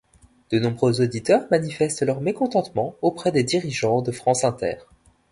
De nombreux auditeurs manifestent leur mécontentement auprès des dirigeants de France Inter.